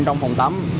trong phòng tắm